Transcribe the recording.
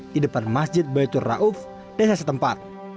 di depan masjid baitur rauf desa setempat